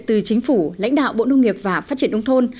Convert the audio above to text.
từ chính phủ lãnh đạo bộ nông nghiệp và phát triển nông thôn